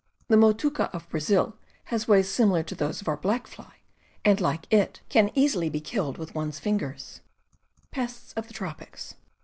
The motuca of Brazil has ways similar to those of our black fly, and, like it, can easily be killed with one's fingers.